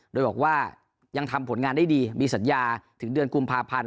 โดยบอกว่ายังทำผลงานได้ดีมีสัญญาถึงเดือนกุมภาพันธ์